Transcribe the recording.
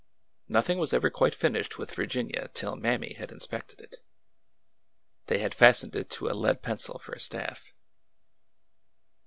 Nothing was ever quite finished with Virginia till Mammy had inspected it. They had fastened it to a lead pencil for a staff.